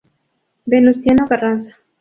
Venustiano Carranza.